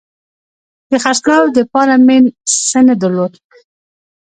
د خرڅلاو دپاره مې څه نه درلودل